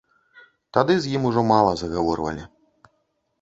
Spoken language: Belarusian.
Тады з ім ужо мала загаворвалі.